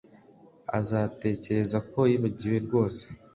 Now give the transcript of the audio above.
Azatekereza ko yibagiwe rwose